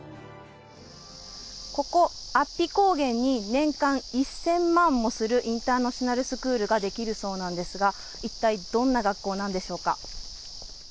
ここ、安比高原に年間１０００万もするインターナショナルスクールが出来るそうなんですが、一体どんな学校なんでしょうか。